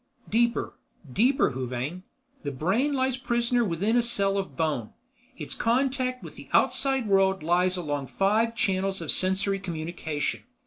"Deeper, deeper, Huvane. The brain lies prisoner within a cell of bone. Its contact with the Outside world lies along five channels of sensory communication.